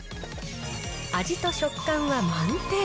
味と食感は満点。